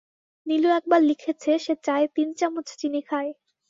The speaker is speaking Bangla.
নীলু একবার লিখেছে সে চায়ে তিন চামচ চিনি খায়।